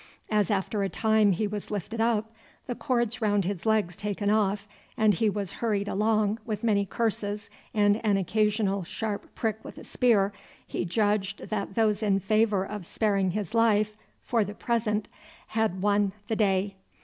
As after a time he was lifted up, the cords round his legs taken off, and he was hurried along with many curses and an occasional sharp prick with a spear, he judged that those in favour of sparing his life for the present had won the day.